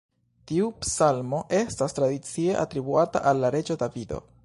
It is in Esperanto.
Tiu psalmo estas tradicie atribuata al reĝo Davido.